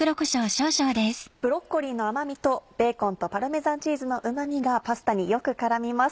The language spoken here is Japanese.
ブロッコリーの甘みとベーコンとパルメザンチーズのうま味がパスタによく絡みます。